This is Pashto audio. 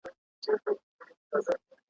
ستونی ولي په نارو څیرې ناحقه `